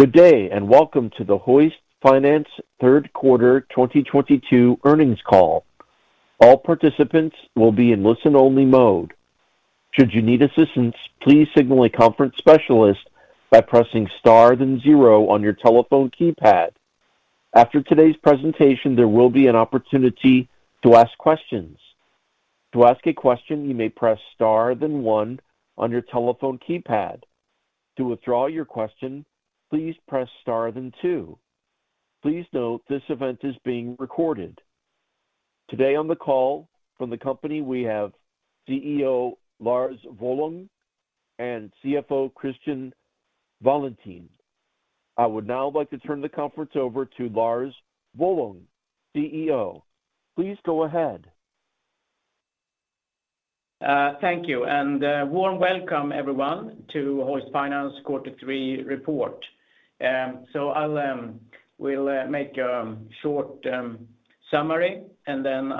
Good day, and welcome to the Hoist Finance third quarter 2022 earnings call. All participants will be in listen only mode. Should you need assistance, please signal a conference specialist by pressing star then zero on your telephone keypad. After today's presentation, there will be an opportunity to ask questions. To ask a question, you may press star then one on your telephone keypad. To withdraw your question, please press star then two. Please note this event is being recorded. Today on the call from the company, we have CEO Lars Wollung and CFO Christian Wallentin. I would now like to turn the conference over to Lars Wollung, CEO. Please go ahead. Thank you and warm welcome everyone to Hoist Finance quarter three report. I'll make a short summary, and then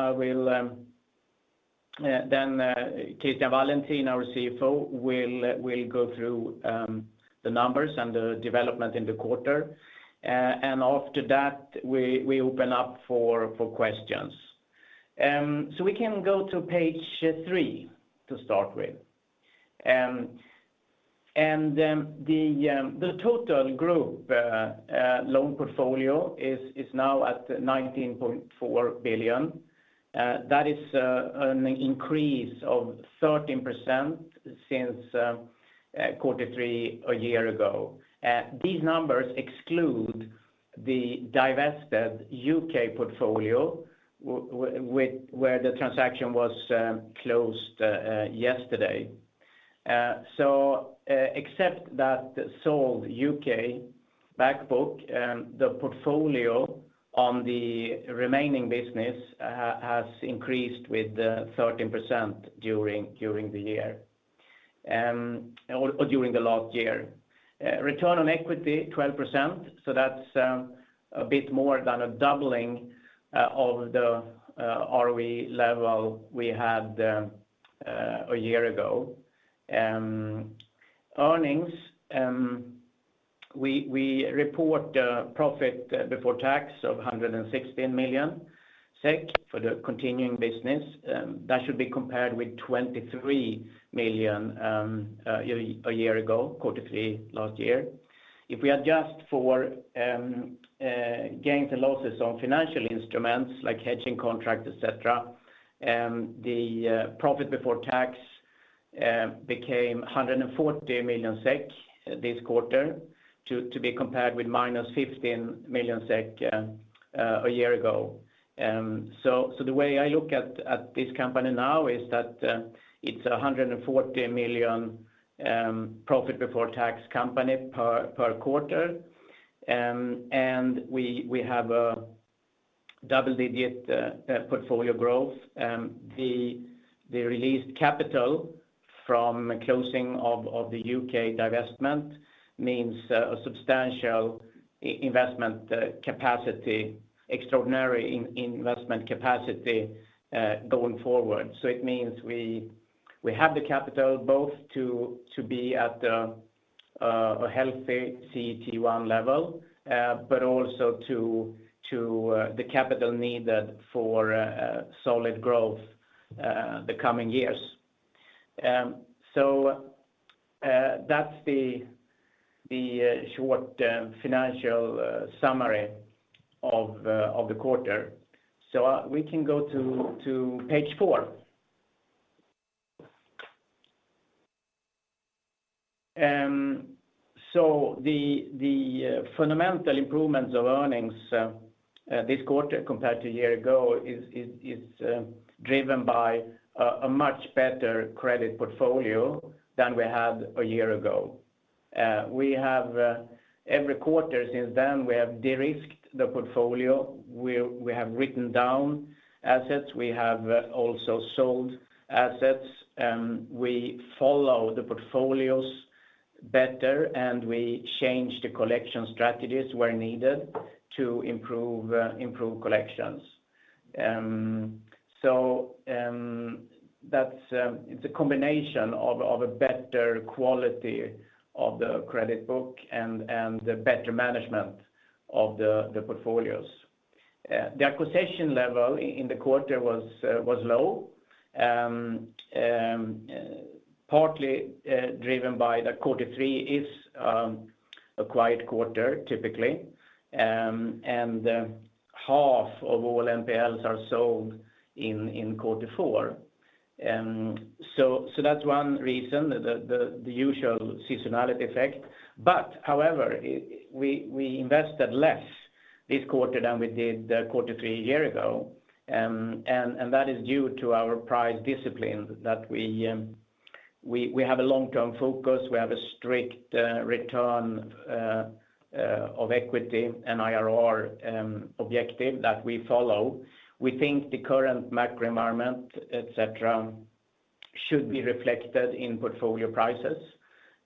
Christian Wallentin, our CFO, will go through the numbers and the development in the quarter. After that we open up for questions. We can go to page 3 to start with. The total group loan portfolio is now at 19.4 billion. That is an increase of 13% since quarter three a year ago. These numbers exclude the divested U.K. portfolio where the transaction was closed yesterday. Except the sold U.K. back book, the portfolio on the remaining business has increased with 13% during the last year. Return on equity 12%. That's a bit more than a doubling of the ROE level we had a year ago. Earnings, we report profit before tax of 116 million SEK for the continuing business. That should be compared with 23 million a year ago, quarter three last year. If we adjust for gains and losses on financial instruments like hedging contract, et cetera, the profit before tax became 140 million SEK this quarter to be compared with -15 million SEK a year ago. The way I look at this company now is that it's 140 million profit before tax company per quarter. We have a double-digit portfolio growth. The released capital from closing of the U.K. divestment means a substantial investment capacity, extraordinary investment capacity going forward. It means we have the capital both to be at a healthy CET1 level, but also to the capital needed for solid growth the coming years. That's the short financial summary of the quarter. We can go to page 4. The fundamental improvements of earnings this quarter compared to a year ago is driven by a much better credit portfolio than we had a year ago. We have every quarter since then, we have de-risked the portfolio. We have written down assets, we have also sold assets. We follow the portfolios better, and we change the collection strategies where needed to improve collections. That's it. It's a combination of a better quality of the credit book and the better management of the portfolios. The acquisition level in the quarter was low. Partly driven by the quarter three is a quiet quarter typically. Half of all NPLs are sold in quarter four. So that's one reason, the usual seasonality effect. However, we invested less this quarter than we did the quarter three a year ago. That is due to our price discipline that we have a long-term focus. We have a strict return on equity and IRR objective that we follow. We think the current macro environment, et cetera, should be reflected in portfolio prices.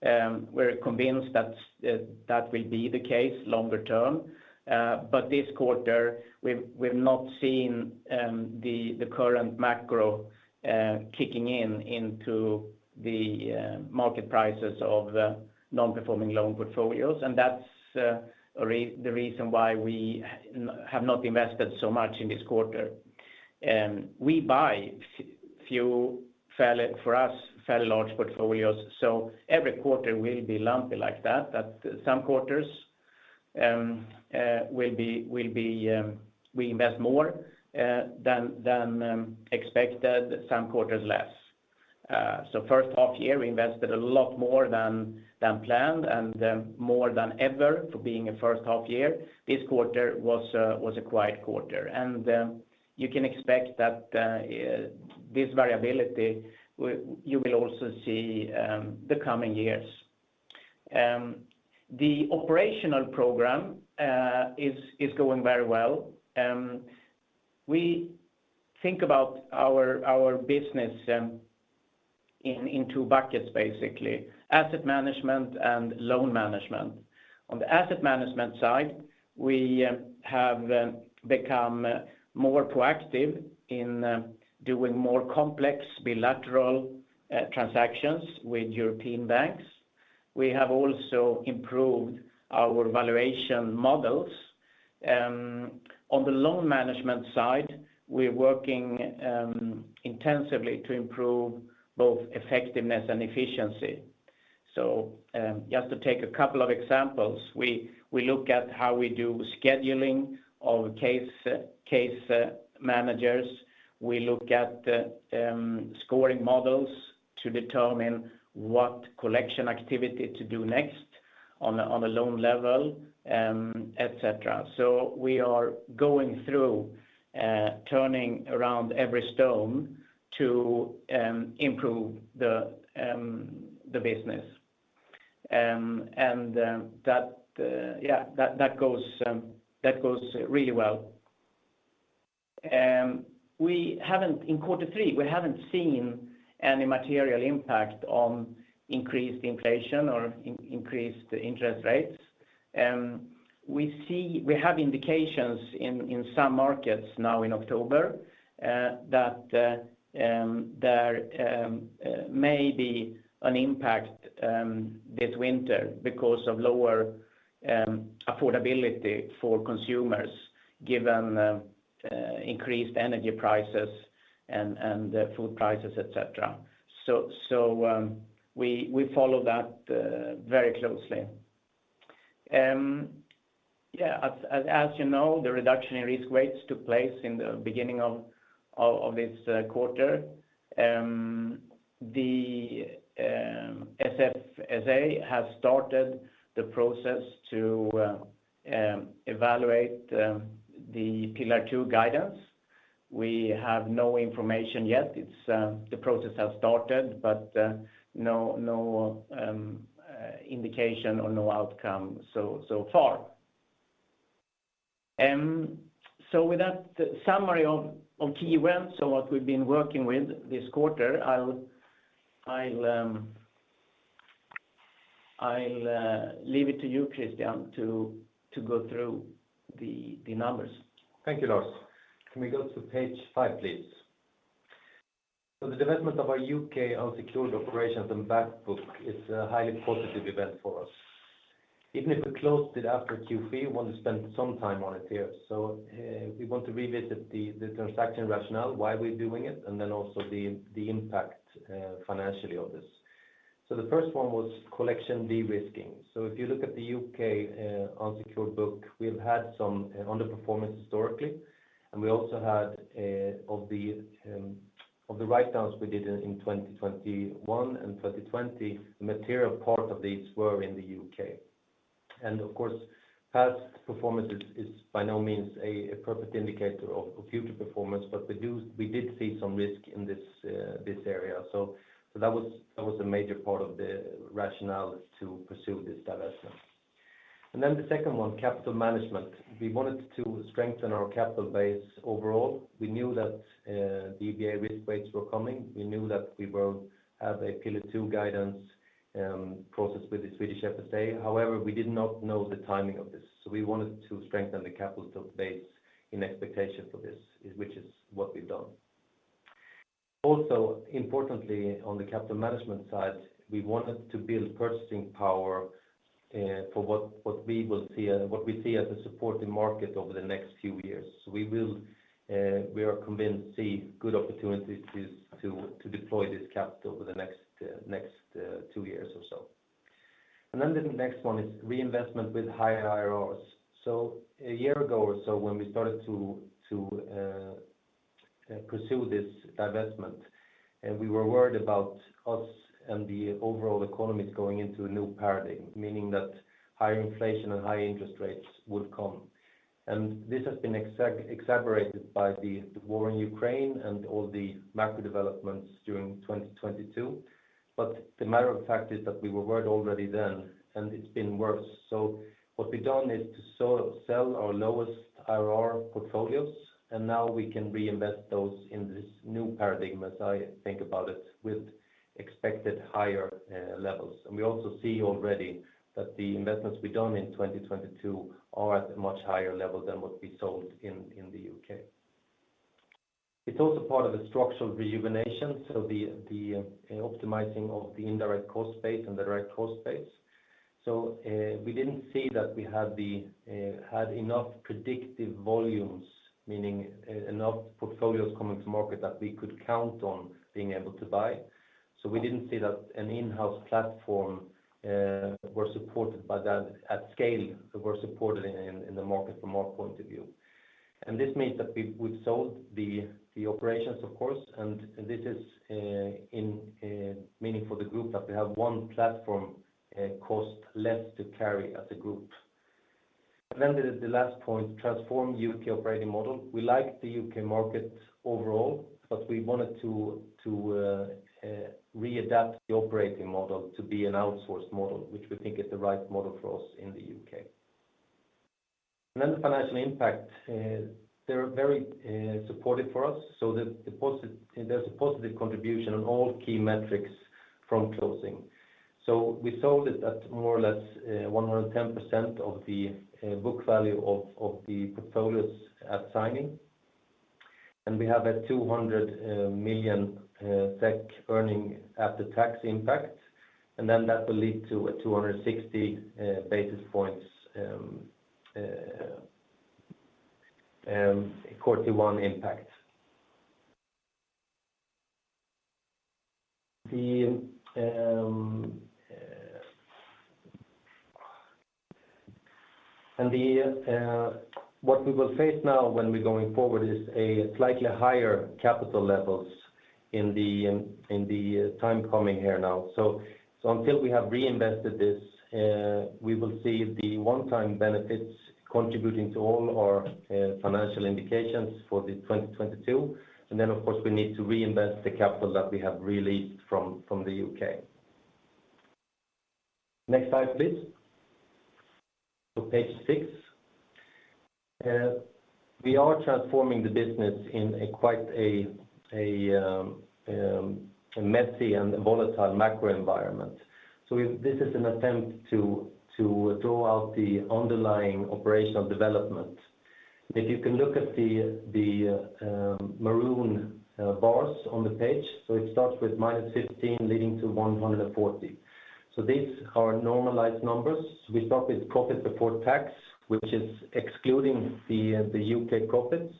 We're convinced that will be the case longer term. This quarter we've not seen the current macro kicking in into the market prices of the non-performing loan portfolios. That's the reason why we have not invested so much in this quarter. We buy few fairly for us, fairly large portfolios, so every quarter will be lumpy like that. That some quarters will be we invest more than expected, some quarters less. First half year we invested a lot more than planned and more than ever for being a first half year. This quarter was a quiet quarter. You can expect that this variability you will also see the coming years. The operational program is going very well. We think about our business in two buckets, basically. Asset management and loan management. On the asset management side, we have become more proactive in doing more complex bilateral transactions with European banks. We have also improved our valuation models. On the loan management side, we're working intensively to improve both effectiveness and efficiency. Just to take a couple of examples, we look at how we do scheduling of case managers. We look at scoring models to determine what collection activity to do next on a loan level, et cetera. We are going through turning around every stone to improve the business. That goes really well. In quarter three, we haven't seen any material impact on increased inflation or increased interest rates. We have indications in some markets now in October that there may be an impact this winter because of lower affordability for consumers given increased energy prices and food prices, et cetera. We follow that very closely. As you know, the reduction in risk weights took place in the beginning of this quarter. The SFSA has started the process to evaluate the Pillar 2 guidance. We have no information yet. The process has started, but no indication or no outcome so far. With that summary of key events and what we've been working with this quarter, I'll leave it to you, Christian, to go through the numbers. Thank you, Lars. Can we go to page 5, please? The development of our U.K. unsecured operations and back book is a highly positive event for us. Even if we closed it after Q3, want to spend some time on it here. We want to revisit the transaction rationale, why we're doing it, and then also the impact, financially of this. The first one was collection de-risking. If you look at the U.K. unsecured book, we've had some underperformance historically, and we also had of the write-downs we did in 2021 and 2020, material part of these were in the U.K. Of course, past performance is by no means a perfect indicator of future performance. We did see some risk in this area. That was a major part of the rationale to pursue this divestment. Then the second one, capital management. We wanted to strengthen our capital base overall. We knew that the EBA risk weights were coming. We knew that we will have a Pillar 2 guidance process with the Swedish FSA. However, we did not know the timing of this, so we wanted to strengthen the capital base in expectation for this, which is what we've done. Also, importantly, on the capital management side, we wanted to build purchasing power for what we will see and what we see as a supporting market over the next few years. We are convinced we will see good opportunities to deploy this capital over the next two years or so. Then the next one is reinvestment with higher IRRs. A year ago or so when we started to pursue this divestment and we were worried about us and the overall economies going into a new paradigm, meaning that higher inflation and higher interest rates would come. This has been exaggerated by the war in Ukraine and all the macro developments during 2022. The matter of fact is that we were worried already then, and it's been worse. What we've done is to sell our lowest IRR portfolios, and now we can reinvest those in this new paradigm, as I think about it, with expected higher levels. We also see already that the investments we've done in 2022 are at a much higher level than what we sold in the U.K. It's also part of the structural rejuvenation, optimizing of the indirect cost base and the direct cost base. We didn't see that we had enough predictable volumes, meaning enough portfolios coming to market that we could count on being able to buy. We didn't see that an in-house platform were supported by that at scale, that were supported in the market from our point of view. This means that we've sold the operations of course, and this is meaning for the group that we have one platform cost less to carry as a group. There is the last point, transform U.K. operating model. We like the U.K. market overall, but we wanted to readapt the operating model to be an outsourced model, which we think is the right model for us in the U.K. The financial impact is very supportive for us. There's a positive contribution on all key metrics from closing. We sold it at more or less 110% of the book value of the portfolios at signing. We have a 200 million net earning after the tax impact. That will lead to 260 basis points CET1 impact. What we will face now when we're going forward is a slightly higher capital levels in the time coming here now. Until we have reinvested this, we will see the one-time benefits contributing to all our financial indications for 2022. Of course, we need to reinvest the capital that we have released from the U.K. Next slide, please. Page 6. We are transforming the business in a quite messy and volatile macro environment. If this is an attempt to draw out the underlying operational development. If you can look at the maroon bars on the page. It starts with -15 leading to 140. These are normalized numbers. We start with profit before tax, which is excluding the U.K. profits.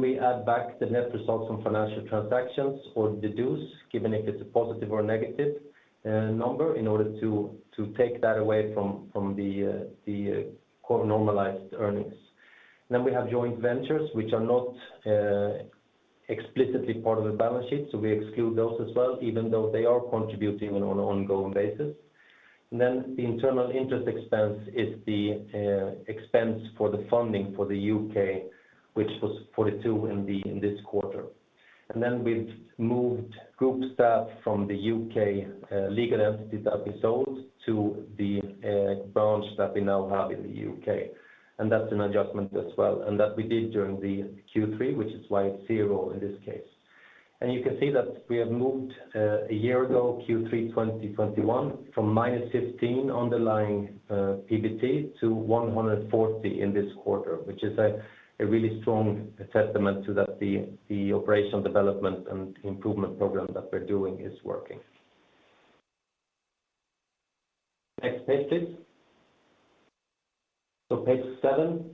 We add back the net results from financial transactions or deduce, given if it's a positive or negative number in order to take that away from the core normalized earnings. We have joint ventures which are not explicitly part of the balance sheet, so we exclude those as well, even though they are contributing on an ongoing basis. The internal interest expense is the expense for the funding for the U.K., which was 42 in this quarter. We've moved group staff from the U.K. legal entities that we sold to the branch that we now have in the U.K. That's an adjustment as well. That we did during the Q3, which is why it's zero in this case. You can see that we have moved a year ago, Q3 2021, from -15 underlying PBT to 140 in this quarter, which is a really strong testament to the operational development and improvement program that we're doing is working. Next page, please. Page 7.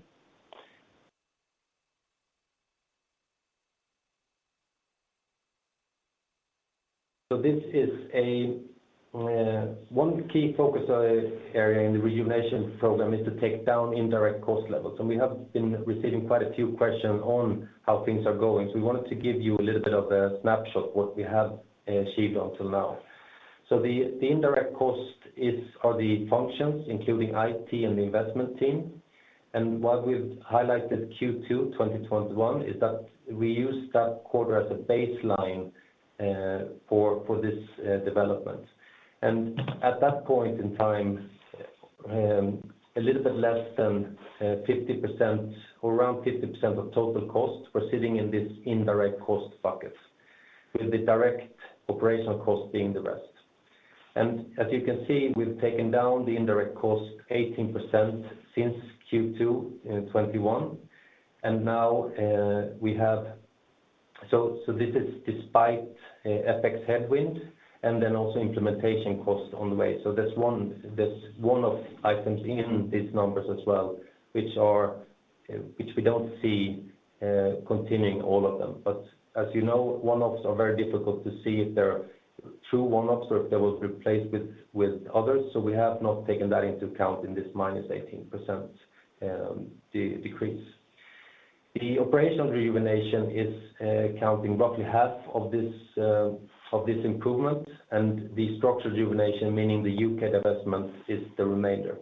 This is one key focus area in the rejuvenation program is to take down indirect cost levels. We have been receiving quite a few questions on how things are going. We wanted to give you a little bit of a snapshot of what we have achieved until now. The indirect costs are the functions including IT and the investment team. Why we've highlighted Q2 2021 is that we use that quarter as a baseline for this development. At that point in time, a little bit less than 50%, or around 50% of total costs were sitting in this indirect cost bucket, with the direct operational cost being the rest. As you can see, we've taken down the indirect cost 18% since Q2 in 2021. Now we have. This is despite FX headwind, and then also implementation cost on the way. There's one-off items in these numbers as well which we don't see continuing all of them. As you know, one-offs are very difficult to see if they're true one-offs or if they will replace with others. We have not taken that into account in this -18% decrease. The operational rejuvenation is counting roughly half of this improvement and the structural rejuvenation, meaning the U.K. divestment is the remainder.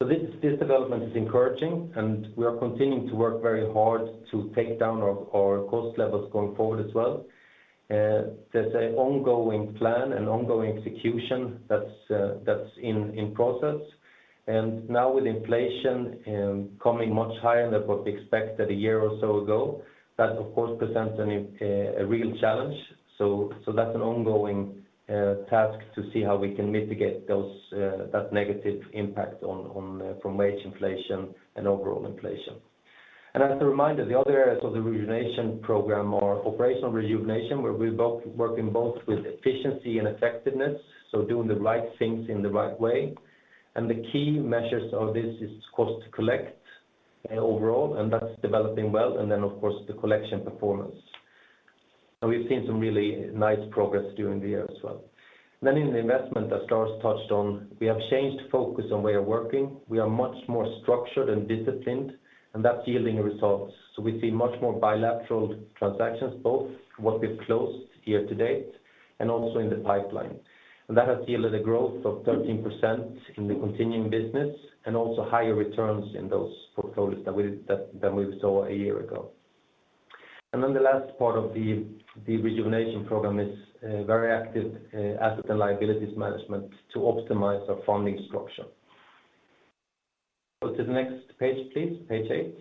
This development is encouraging and we are continuing to work very hard to take down our cost levels going forward as well. There's a ongoing plan and ongoing execution that's in process. Now with inflation coming much higher than what we expected a year or so ago, that of course presents a real challenge. That's an ongoing task to see how we can mitigate that negative impact from wage inflation and overall inflation. As a reminder, the other areas of the rejuvenation program are operational rejuvenation, where we're working both with efficiency and effectiveness, so doing the right things in the right way. The key measures of this is cost to collect overall, and that's developing well, and then of course the collection performance. We've seen some really nice progress during the year as well. In the investment that Lars touched on, we have changed focus on way of working. We are much more structured and disciplined, and that's yielding results. We see much more bilateral transactions, both what we've closed year to date and also in the pipeline. That has yielded a growth of 13% in the continuing business and also higher returns in those portfolios that we saw a year ago. The last part of the rejuvenation program is a very active asset and liabilities management to optimize our funding structure. Go to the next page, please. Page 8.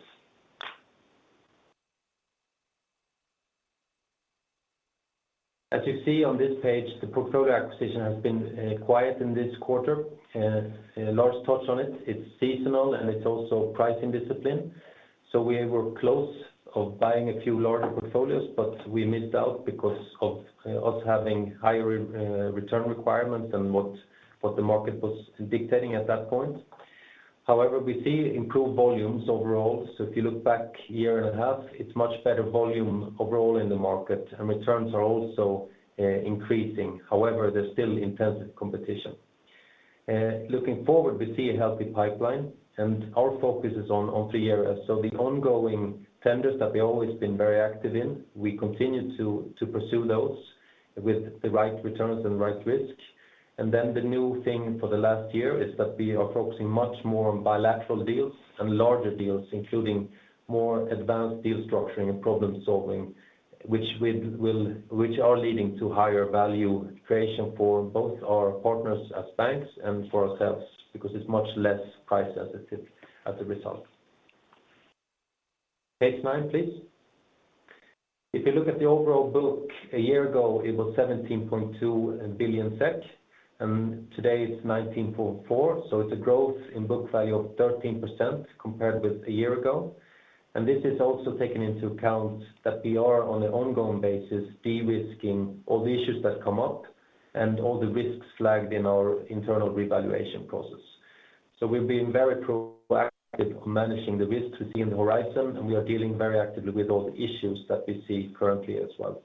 As you see on this page, the portfolio acquisition has been quiet in this quarter. Lars touched on it. It's seasonal, and it's also pricing discipline. We were close to buying a few larger portfolios, but we missed out because of us having higher return requirements than what the market was dictating at that point. However, we see improved volumes overall. If you look back a year and a half, it's much better volume overall in the market, and returns are also increasing. However, there's still intensive competition. Looking forward, we see a healthy pipeline and our focus is on three areas. The ongoing tenders that we've always been very active in, we continue to pursue those with the right returns and right risk. Then the new thing for the last year is that we are focusing much more on bilateral deals and larger deals, including more advanced deal structuring and problem-solving, which are leading to higher value creation for both our partners as banks and for ourselves because it's much less price sensitive as a result. Page 9, please. If you look at the overall book a year ago it was 17.2 billion SEK and today it's 19.4 billion. It's a growth in book value of 13% compared with a year ago. This is also taking into account that we are on an ongoing basis de-risking all the issues that come up and all the risks flagged in our internal revaluation process. We've been very proactive managing the risk we see on the horizon, and we are dealing very actively with all the issues that we see currently as well.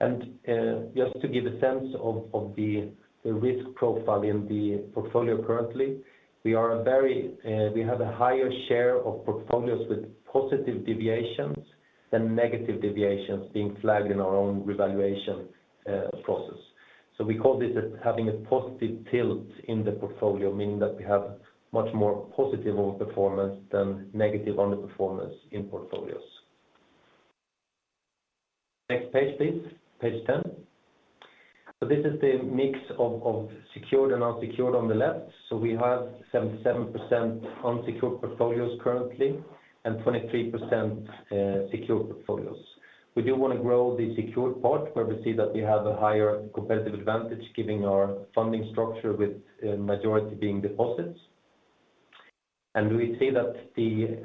Just to give a sense of the risk profile in the portfolio currently, we have a higher share of portfolios with positive deviations than negative deviations being flagged in our own revaluation process. We call this as having a positive tilt in the portfolio, meaning that we have much more positive performance than negative underperformance in portfolios. Next page please. Page 10. This is the mix of secured and unsecured on the left. We have 77% unsecured portfolios currently and 23%, secured portfolios. We do wanna grow the secured part where we see that we have a higher competitive advantage giving our funding structure with a majority being deposits. We see that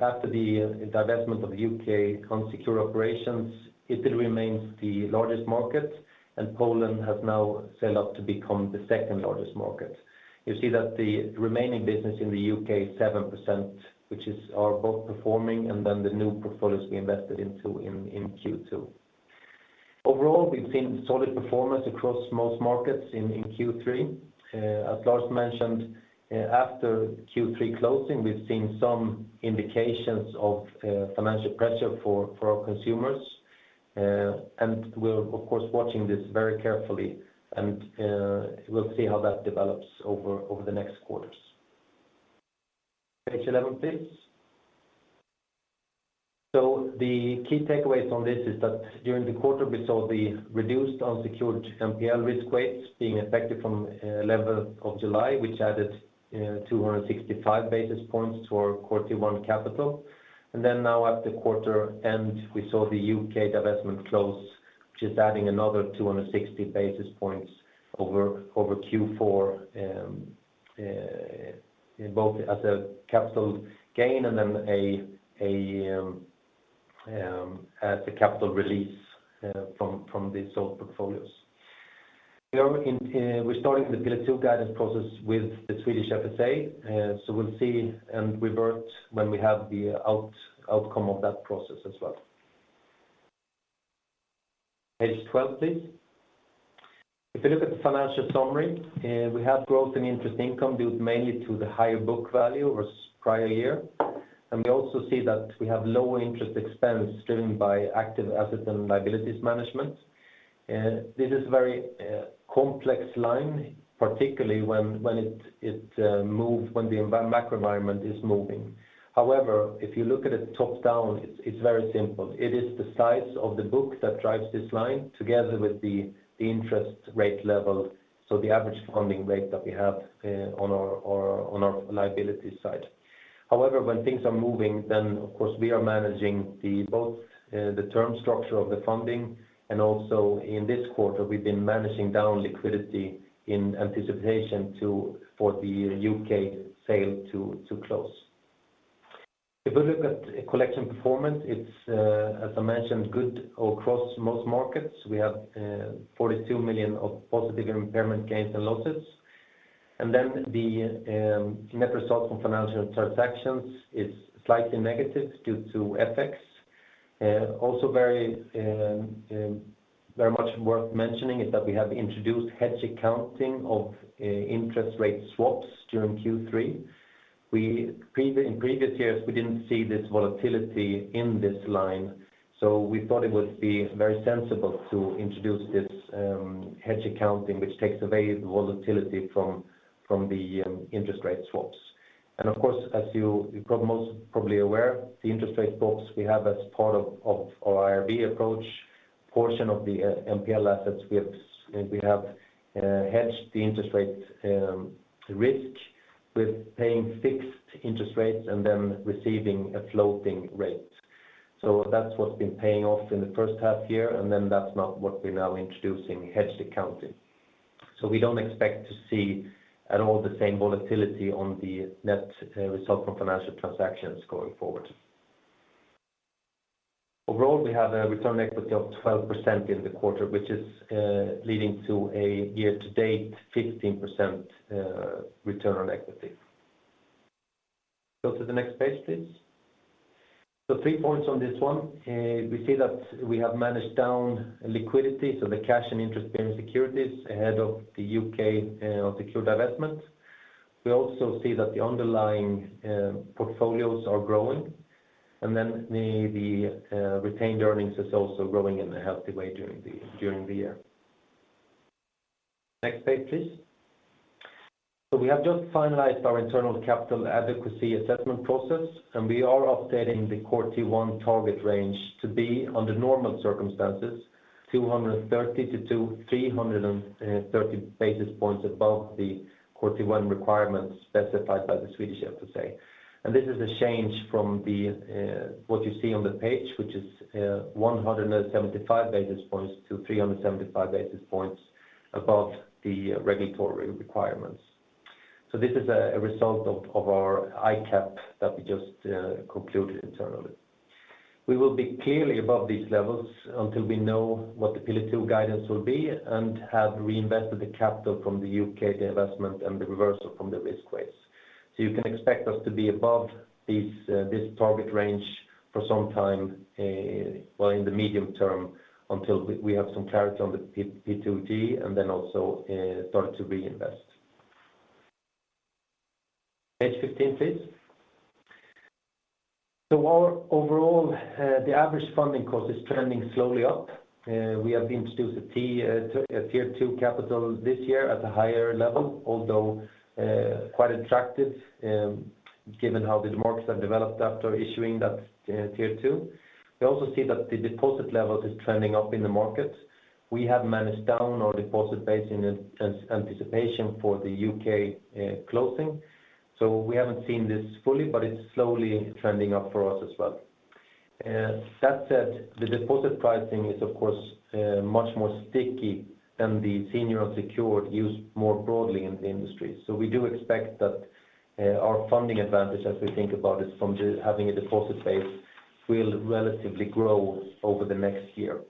after the divestment of the U.K. unsecured operations, it still remains the largest market and Poland has now sailed up to become the second largest market. You see that the remaining business in the U.K. is 7%, which is our both performing and then the new portfolios we invested into in Q2. Overall, we've seen solid performance across most markets in Q3. As Lars mentioned, after Q3 closing, we've seen some indications of financial pressure for our consumers. We're of course watching this very carefully and we'll see how that develops over the next quarters. Page 11, please. The key takeaways on this is that during the quarter we saw the reduced unsecured NPL risk weights being effective from eleventh of July, which added 265 basis points to our quarter one capital. Now at the quarter end, we saw the U.K. divestment close, which is adding another 260 basis points over Q4, both as a capital gain and then as a capital release from the sold portfolios. We're starting the Pillar 2 guidance process with the Swedish FSA, so we'll see and revert when we have the outcome of that process as well. Page 12 please. If you look at the financial summary, we have growth in interest income due mainly to the higher book value versus prior year. We also see that we have lower interest expense driven by active assets and liabilities management. This is very complex line, particularly when it moves when the macro environment is moving. However, if you look at it top down, it's very simple. It is the size of the book that drives this line together with the interest rate level, so the average funding rate that we have on our liabilities side. However, when things are moving then of course we are managing both the term structure of the funding and also in this quarter we've been managing down liquidity in anticipation for the U.K. sale to close. If we look at collection performance, it's, as I mentioned, good across most markets. We have 42 million of positive impairment gains and losses. The net results from financial transactions is slightly negative due to FX. Also very much worth mentioning is that we have introduced hedge accounting of interest rate swaps during Q3. In previous years we didn't see this volatility in this line, so we thought it would be very sensible to introduce this hedge accounting which takes away the volatility from the interest rate swaps. Of course, as you most probably are aware, the interest rate swaps we have as part of our IRB approach portion of the NPL assets we have hedged the interest rate risk with paying fixed interest rates and then receiving a floating rate. That's what's been paying off in the first half year, and that's what we're now introducing hedge accounting. We don't expect to see the same volatility at all on the net result from financial transactions going forward. Overall, we have a return on equity of 12% in the quarter, which is leading to a year-to-date 15% return on equity. Go to the next page, please. Three points on this one. We see that we have managed down liquidity, so the cash and interest bearing securities ahead of the U.K. securitisation. We also see that the underlying portfolios are growing, and then the retained earnings is also growing in a healthy way during the year. Next page please. We have just finalized our internal capital adequacy assessment process, and we are updating the Core Tier 1 target range to be under normal circumstances 230 to 330 basis points above the Core Tier 1 requirements specified by the Swedish SFSA. This is a change from what you see on the page which is 175 basis points to 375 basis points above the regulatory requirements. This is a result of our ICAAP that we just concluded internally. We will be clearly above these levels until we know what the Pillar 2 guidance will be and have reinvested the capital from the U.K. divestment and the reversal from the risk weights. You can expect us to be above these, this target range for some time, well in the medium term until we have some clarity on the P2G and then also start to reinvest. Page 15 please. Our overall, the average funding cost is trending slowly up. We have introduced a Tier 2 capital this year at a higher level although quite attractive, given how these markets have developed after issuing that Tier 2. We also see that the deposit levels is trending up in the market. We have managed down our deposit base in anticipation for the U.K. closing. We haven't seen this fully but it's slowly trending up for us as well. That said, the deposit pricing is of course, much more sticky than the senior unsecured used more broadly in the industry. We do expect that, our funding advantage as we think about it from just having a deposit base will relatively grow over the next year.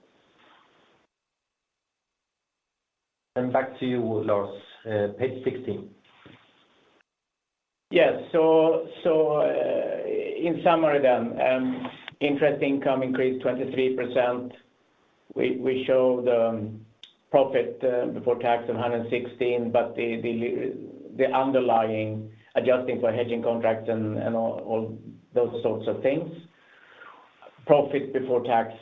Back to you Lars, page 16. In summary then, interest income increased 23%. We show the profit before tax of 116 million, but the underlying adjusting for hedging contracts and all those sorts of things, profit before tax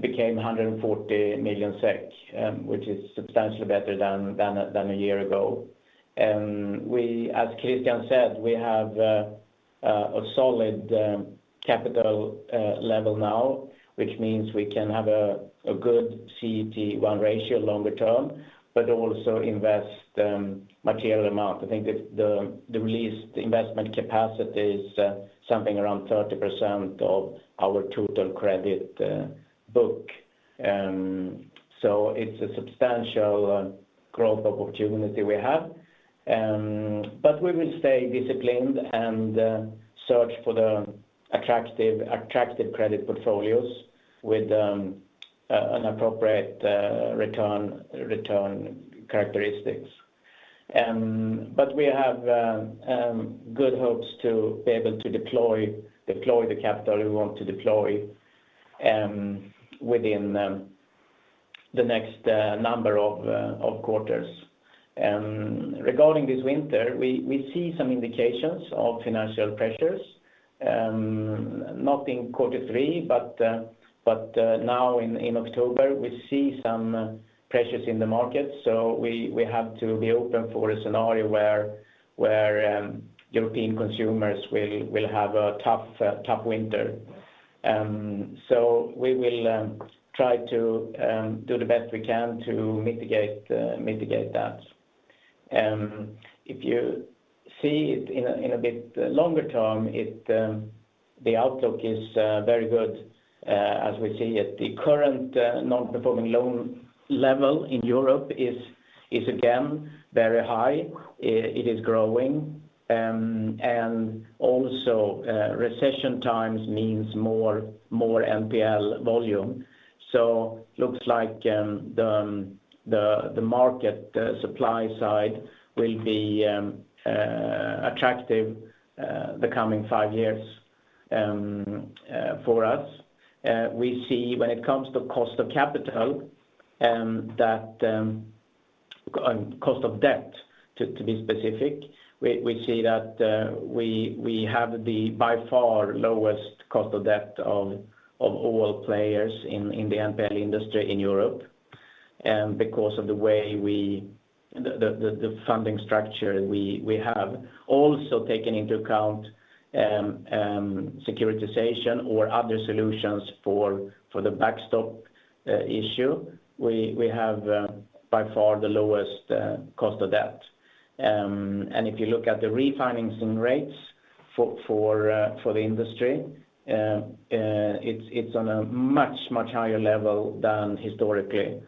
became 140 million SEK, which is substantially better than a year ago. As Christian said, we have a solid capital level now which means we can have a good CET1 ratio longer term but also invest material amount. I think the released investment capacity is something around 30% of our total credit book. It's a substantial growth opportunity we have. We will stay disciplined and search for the attractive credit portfolios with an appropriate return characteristics. We have good hopes to be able to deploy the capital we want to deploy within the next number of quarters. Regarding this winter, we see some indications of financial pressures, not in quarter three but now in October we see some pressures in the market. We have to be open for a scenario where European consumers will have a tough winter. We will try to do the best we can to mitigate that. If you see it in a bit longer term, the outlook is very good, as we see it. The current non-performing loan level in Europe is again very high. It is growing, and also, recession times means more NPL volume. Looks like the market supply side will be attractive the coming five years for us. We see when it comes to cost of capital, that on cost of debt, to be specific, we see that we have the by far lowest cost of debt of all players in the NPL industry in Europe, because of the funding structure we have. Also taken into account, securitization or other solutions for the backstop issue, we have by far the lowest cost of debt. If you look at the refinancing rates for the industry, it's on a much higher level than historically.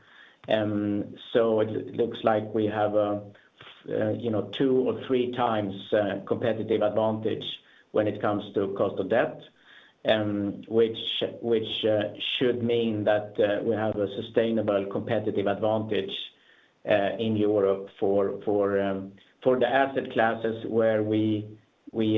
It looks like we have a, you know, two or three times competitive advantage when it comes to cost of debt, which should mean that we have a sustainable competitive advantage in Europe for the asset classes where we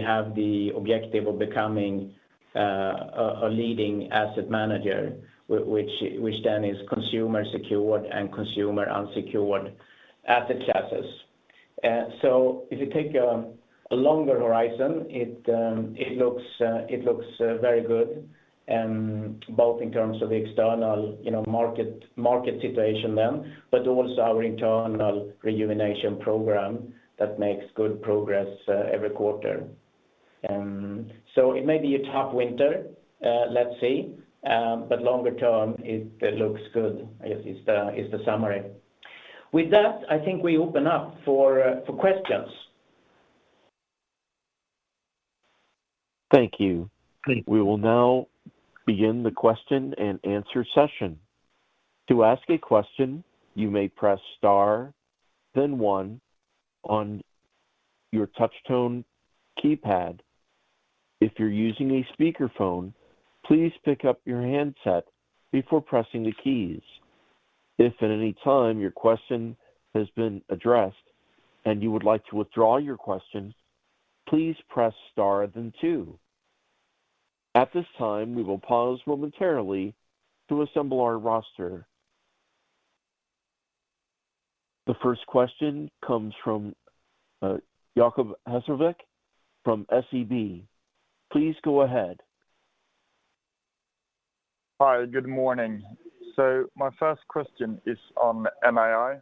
have the objective of becoming a leading asset manager which then is consumer secured and consumer unsecured asset classes. If you take a longer horizon, it looks very good both in terms of the external, you know, market situation then, but also our internal rejuvenation program that makes good progress every quarter. It may be a tough winter, let's see. Longer term it looks good, I guess, is the summary. With that, I think we open up for questions. Thank you. Thank you. We will now begin the question and answer session. To ask a question, you may press star then one on your touch tone keypad. If you're using a speakerphone, please pick up your handset before pressing the keys. If at any time your question has been addressed and you would like to withdraw your question, please press star then two. At this time, we will pause momentarily to assemble our roster. The first question comes from Jacob Hesslevik from SEB. Please go ahead. Hi, good morning. My first question is on NII.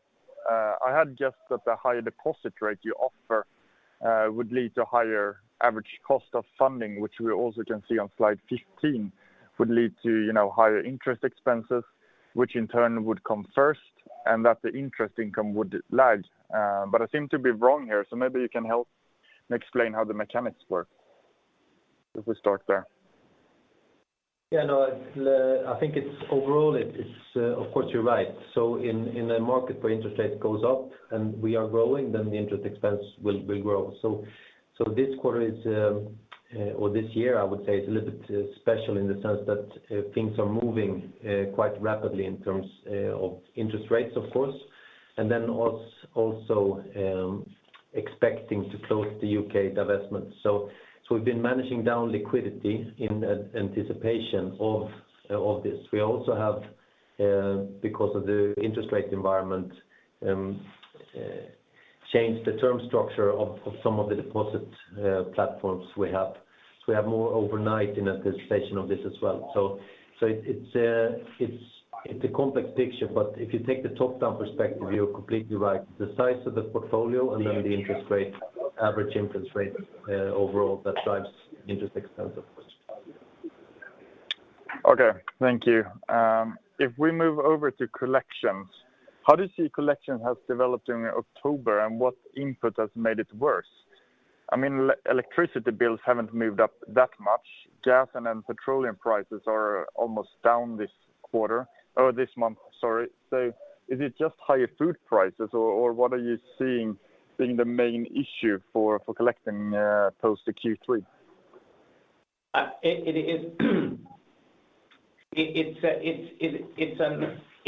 I had guessed that the higher deposit rate you offer would lead to higher average cost of funding, which we also can see on slide 15 would lead to, you know, higher interest expenses, which in turn would come first, and that the interest income would lag. I seem to be wrong here, so maybe you can help and explain how the mechanics work if we start there. Yeah, no, I think overall it is, of course you're right. In a market where interest rate goes up and we are growing, then the interest expense will grow. This quarter or this year I would say is a little bit special in the sense that things are moving quite rapidly in terms of interest rates of course, and then also expecting to close the U.K. divestment. We've been managing down liquidity in anticipation of this. We also have, because of the interest rate environment, changed the term structure of some of the deposit platforms we have. We have more overnight in anticipation of this as well. It's a complex picture, but if you take the top down perspective, you're completely right. The size of the portfolio and then the interest rate, average interest rate, overall that drives interest expense of course. Okay, thank you. If we move over to collections, how do you see collections has developed in October and what input has made it worse? I mean, electricity bills haven't moved up that much. Gas and petroleum prices are almost down this quarter or this month, sorry. Is it just higher food prices or what are you seeing being the main issue for collecting post Q3?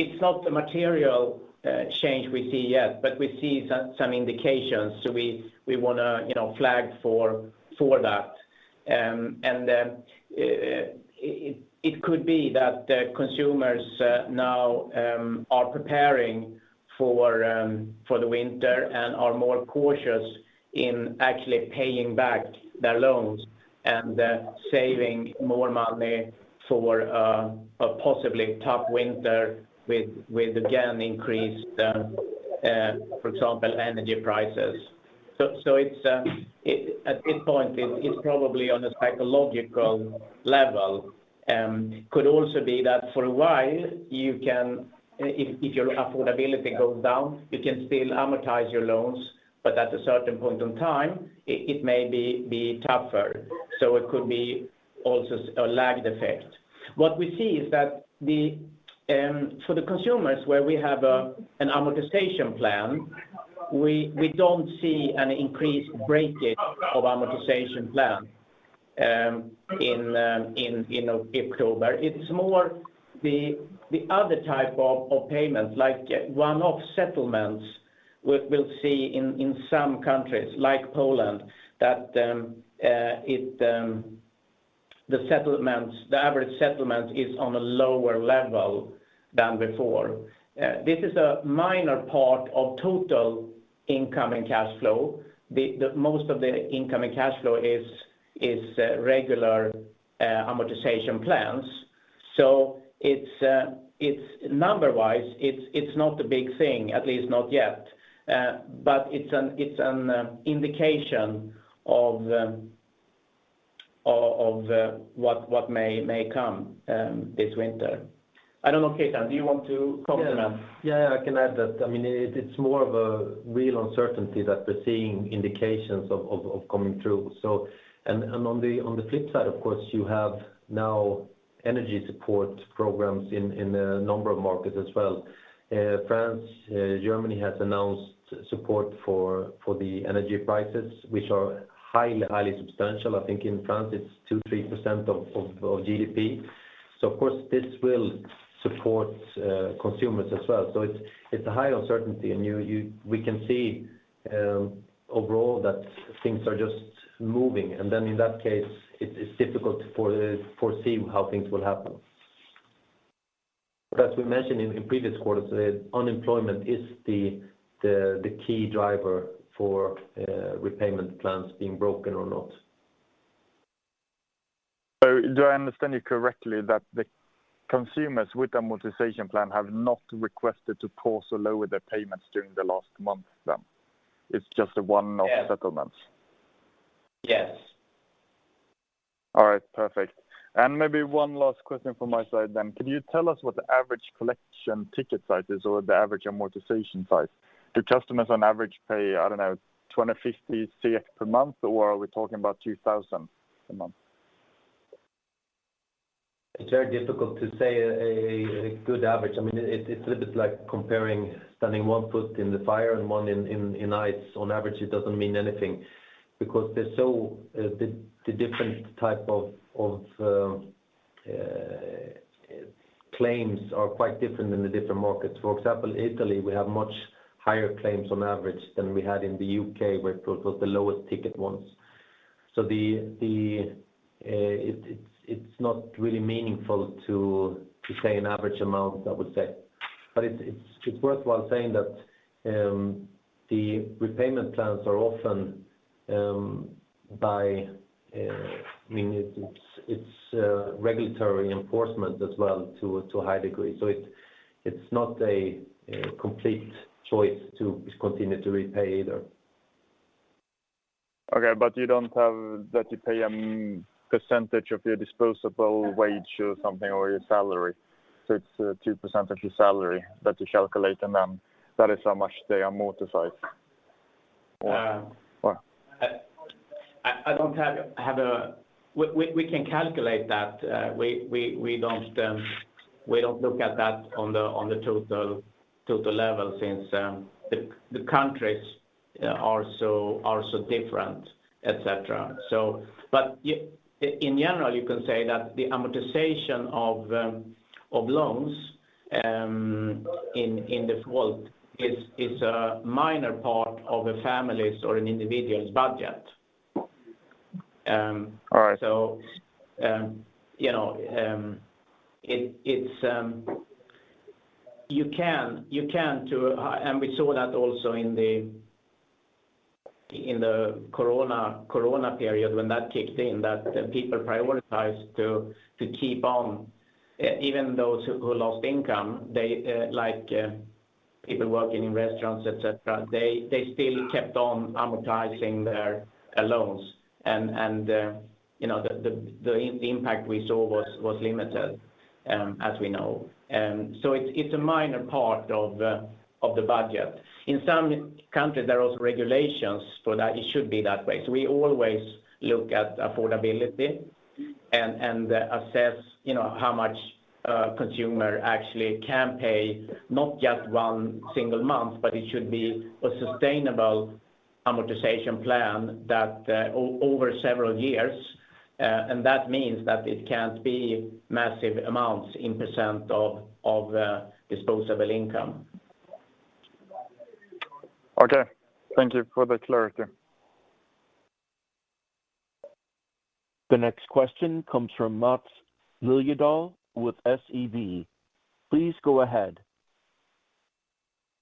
It's not the material change we see yet, but we see some indications, so we wanna, you know, flag for that. It could be that the consumers now are preparing for the winter and are more cautious in actually paying back their loans and saving more money for a possibly tough winter with again increased, for example, energy prices. At this point it's probably on the psychological level. Could also be that for a while you can, if your affordability goes down, you can still amortize your loans, but at a certain point in time, it may be tougher. It could be also a lagged effect. What we see is that for the consumers where we have an amortization plan, we don't see an increased breakage of amortization plan in October. It's more the other type of payments, like one-off settlements we'll see in some countries like Poland that the settlements, the average settlement is on a lower level than before. This is a minor part of total incoming cashflow. The most of the incoming cashflow is regular amortization plans. It's number wise, it's not a big thing, at least not yet. It's an indication of what may come this winter. I don't know, Keith, do you want to comment on that? Yeah. Yeah, I can add that. I mean, it's more of a real uncertainty that we're seeing indications of coming through. On the flip side, of course, you have now energy support programs in a number of markets as well. France, Germany has announced support for the energy prices, which are highly substantial. I think in France it's 2%-3% of GDP. So of course this will support consumers as well. It's a high uncertainty and you we can see overall that things are just moving and then in that case it is difficult to foresee how things will happen. As we mentioned in previous quarters, the unemployment is the key driver for repayment plans being broken or not. Do I understand you correctly that the consumers with amortization plan have not requested to pause or lower their payments during the last month then? It's just a one-off settlements? Yes. All right. Perfect. Maybe one last question from my side then. Can you tell us what the average collection ticket size is or the average amortization size? Do customers on average pay, I don't know, 20, 50, SEK 60 per month, or are we talking about 2,000 a month? It's very difficult to say a good average. I mean, it's a little bit like comparing standing one foot in the fire and one in ice. On average it doesn't mean anything because there's so the different type of claims are quite different in the different markets. For example, Italy we have much higher claims on average than we had in the U.K. where it was the lowest ticket ones. It's not really meaningful to say an average amount I would say. It's worthwhile saying that the repayment plans are often by I mean it's regulatory enforcement as well to a high degree. It's not a complete choice to discontinue to repay either. Okay. You don't have that you pay, percentage of your disposable wage or something, or your salary. It's a 2% of your salary that you calculate and then that is how much they amortize or? Uh. Or? We can calculate that. We don't look at that on the total level since the countries are so different, et cetera. In general, you can say that the amortization of loans in the world is a minor part of a family's or an individual's budget. All right. We saw that also in the Corona period when that kicked in, that people prioritized to keep on, even those who lost income. They like people working in restaurants, et cetera, they still kept on amortizing their loans and you know the impact we saw was limited as we know. It's a minor part of the budget. In some countries there are also regulations for that it should be that way. We always look at affordability and assess you know how much a consumer actually can pay, not just one single month, but it should be a sustainable Amortization plan that over several years. That means that it can't be massive amounts in percent of disposable income. Okay. Thank you for the clarity. The next question comes from Mats Liljedahl with ABG Sundal Collier. Please go ahead.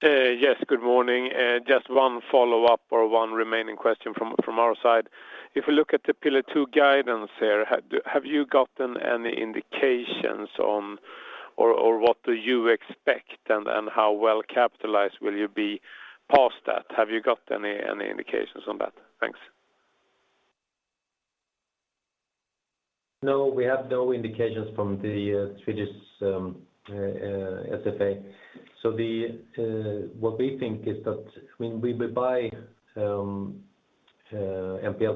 Yes, good morning. Just one follow-up or one remaining question from our side. If we look at the Pillar 2 guidance there, have you gotten any indications on or what do you expect and how well capitalized will you be past that? Have you got any indications on that? Thanks. No, we have no indications from the Swedish SFSA. What we think is that when we buy NPL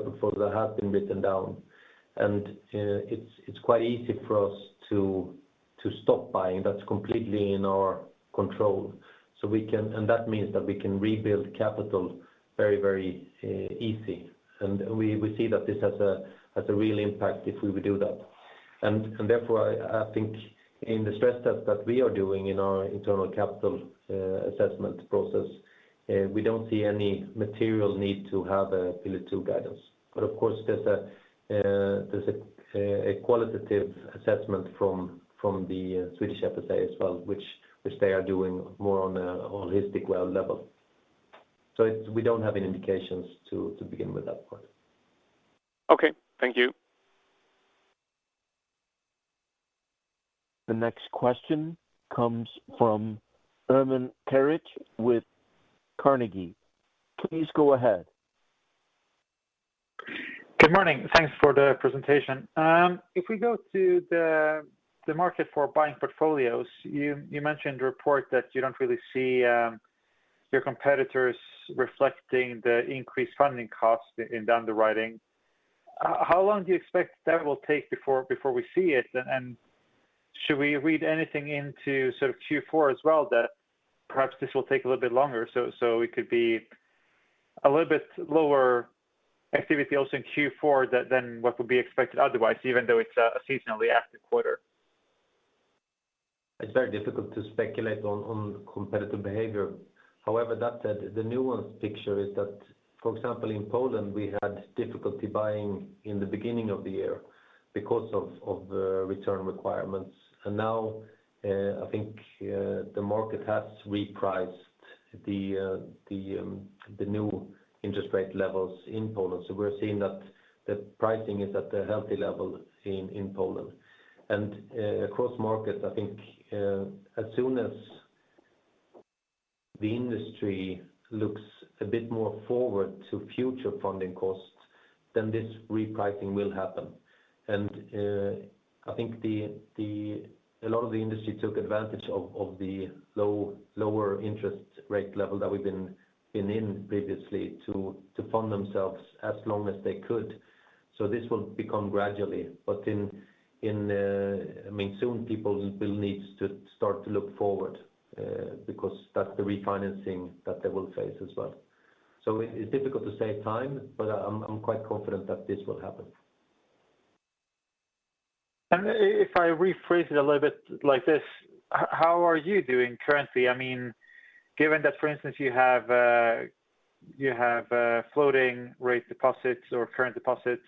portfolio that have been written down, and it's quite easy for us to stop buying. That's completely in our control. We can. That means that we can rebuild capital very easy. We see that this has a real impact if we would do that. Therefore, I think in the stress test that we are doing in our internal capital assessment process, we don't see any material need to have a Pillar 2 guidance. Of course, there's a qualitative assessment from the Swedish SFSA as well, which they are doing more on a holistic level. We don't have any indications to begin with that part. Okay. Thank you. The next question comes from Ermin Keric with Carnegie. Please go ahead. Good morning. Thanks for the presentation. If we go to the market for buying portfolios, you mentioned a report that you don't really see your competitors reflecting the increased funding costs in underwriting. How long do you expect that will take before we see it? And should we read anything into sort of Q4 as well that perhaps this will take a little bit longer? It could be a little bit lower activity also in Q4 than what would be expected otherwise, even though it's a seasonally active quarter. It's very difficult to speculate on competitive behavior. However, that said, the nuanced picture is that, for example, in Poland, we had difficulty buying in the beginning of the year because of the return requirements. Now I think the market has repriced the new interest rate levels in Poland. We're seeing that the pricing is at a healthy level in Poland. Across markets, I think as soon as the industry looks a bit more forward to future funding costs, then this repricing will happen. I think a lot of the industry took advantage of the lower interest rate level that we've been in previously to fund themselves as long as they could. This will become gradually. I mean, soon people will need to start to look forward, because that's the refinancing that they will face as well. It's difficult to say time, but I'm quite confident that this will happen. If I rephrase it a little bit like this, how are you doing currently? I mean, given that, for instance, you have floating rate deposits or current deposits,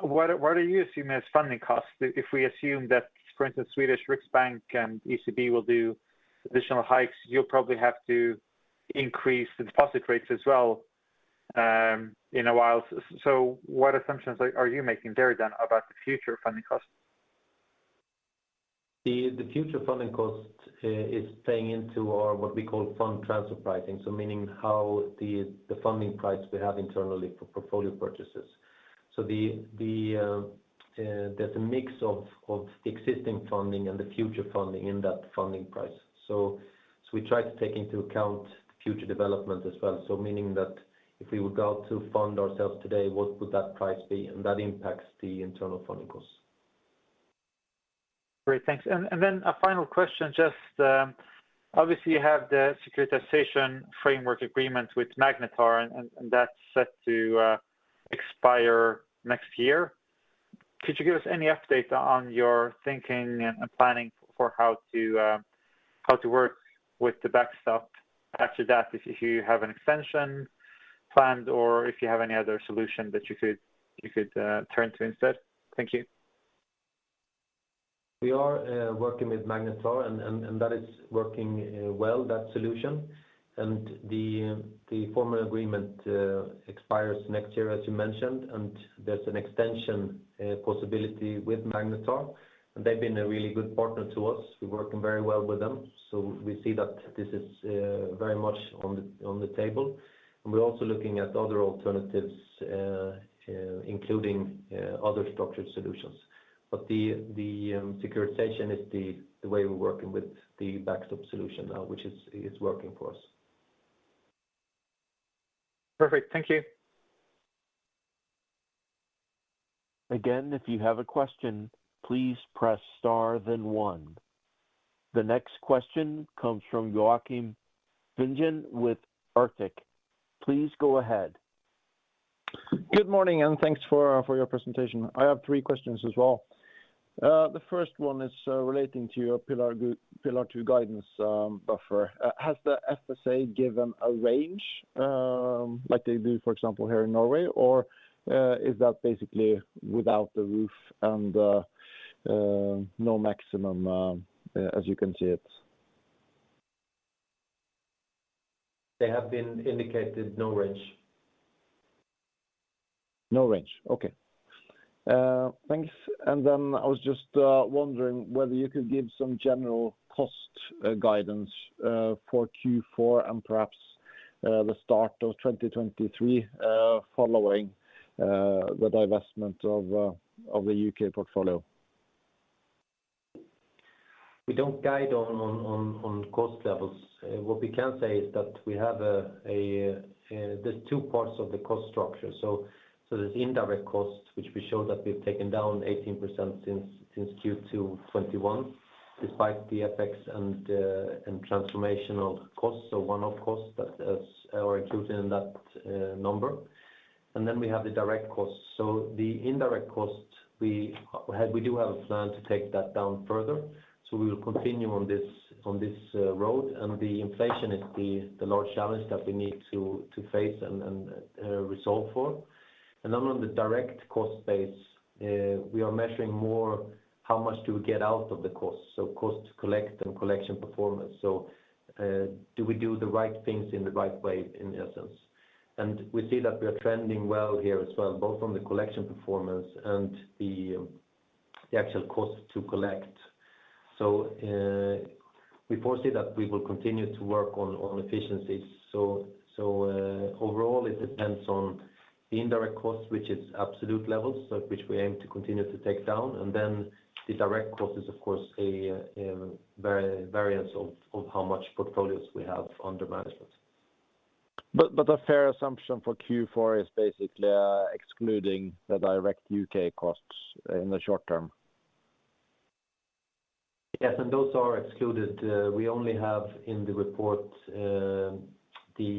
what are you assuming as funding costs? If we assume that, for instance, Sveriges Riksbank and ECB will do additional hikes, you'll probably have to increase the deposit rates as well, in a while. So what assumptions are you making there then about the future funding costs? The future funding cost is playing into our what we call Funds Transfer Pricing, so meaning how the funding price we have internally for portfolio purchases. There's a mix of the existing funding and the future funding in that funding price. We try to take into account future development as well. Meaning that if we would go to fund ourselves today, what would that price be? That impacts the internal funding costs. Great. Thanks. A final question, just, obviously, you have the securitization framework agreement with Magnetar, and that's set to expire next year. Could you give us any update on your thinking and planning for how to work with the backstop after that, if you have an extension planned or if you have any other solution that you could turn to instead? Thank you. We are working with Magnetar and that is working well, that solution. The formal agreement expires next year, as you mentioned, and there's an extension possibility with Magnetar. They've been a really good partner to us. We're working very well with them. We see that this is very much on the table. We're also looking at other alternatives, including other structured solutions. The securitization is the way we're working with the backstop solution now, which is working for us. Perfect. Thank you. Again, if you have a question, please press star then one. The next question comes from Joakim Ringen with Arctic. Please go ahead. Good morning, and thanks for your presentation. I have three questions as well. The first one is relating to your Pillar 2 guidance buffer. Has the FSA given a range, like they do, for example, here in Norway? Or, is that basically without the roof and the no maximum, as you can see it? They have indicated no range. No range. Okay. Thanks. I was just wondering whether you could give some general cost guidance for Q4 and perhaps the start of 2023 following the divestment of the U.K. portfolio. We don't guide on cost levels. What we can say is that there's two parts of the cost structure. There's indirect costs, which we show that we've taken down 18% since Q2 2021, despite the FX and transformational costs or one-off costs that are included in that number. Then we have the direct costs. The indirect costs we do have a plan to take that down further, so we will continue on this road. The inflation is the large challenge that we need to face and resolve for. Then on the direct cost base, we are measuring more how much do we get out of the costs, so cost to collect and collection performance. Do we do the right things in the right way, in essence. We see that we are trending well here as well, both on the collection performance and the actual cost to collect. We foresee that we will continue to work on efficiencies. Overall, it depends on the indirect costs, which is absolute levels, so which we aim to continue to take down. Then the direct cost is, of course, a variance of how much portfolios we have under management. A fair assumption for Q4 is basically excluding the direct U.K. costs in the short term. Yes, those are excluded. We only have in the report the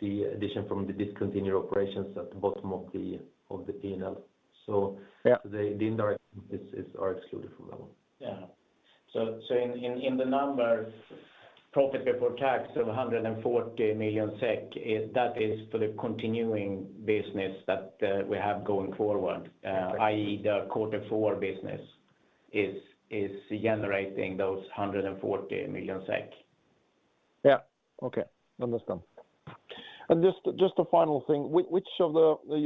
addition from the discontinued operations at the bottom of the P&L. Yeah. The indirect are excluded from that one. In the numbers, profit before tax of 140 million SEK is for the continuing business that we have going forward, i.e. the quarter four business is generating those 140 million SEK. Yeah. Okay. Understood. Just a final thing.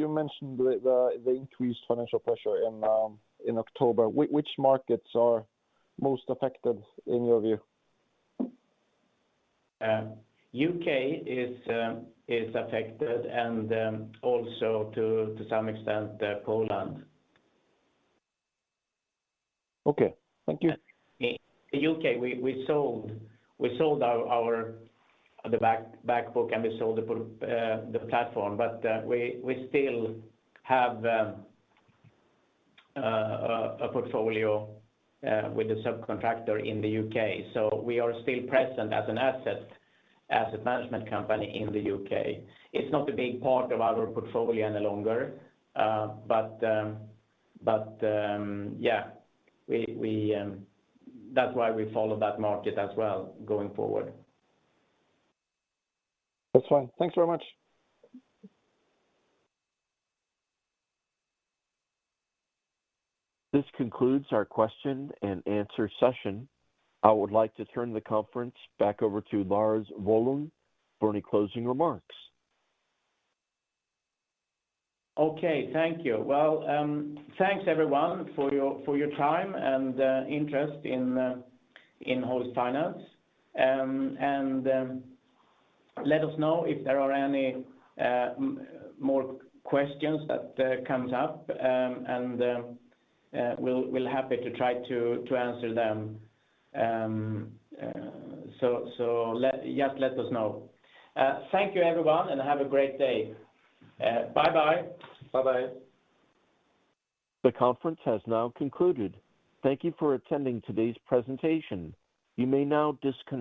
You mentioned the increased financial pressure in October. Which markets are most affected in your view? U.K. is affected and also, to some extent, Poland. Okay. Thank you. In the U.K., we sold our back book, and we sold the platform. We still have a portfolio with the subcontractor in the U.K., so we are still present as an asset management company in the U.K. It's not a big part of our portfolio any longer, but that's why we follow that market as well going forward. That's fine. Thanks very much. This concludes our question and answer session. I would like to turn the conference back over to Lars Wollung for any closing remarks. Okay. Thank you. Well, thanks everyone for your time and interest in Hoist Finance. Let us know if there are any more questions that comes up, and we'll happy to try to answer them. Just let us know. Thank you everyone, and have a great day. Bye-bye. Bye-bye. The conference has now concluded. Thank you for attending today's presentation. You may now disconnect.